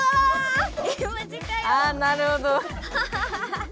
あなるほど。